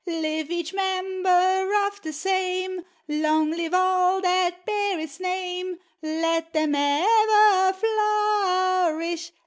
Live each member of the same, Long live all that bear its name; Let them ever flourish